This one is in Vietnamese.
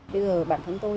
bây giờ bản thân tôi